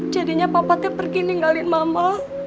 jadinya papa teh pergi ninggalin mama